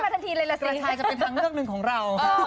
กระทายจะเป็นทางเลือกหนึ่งของเรา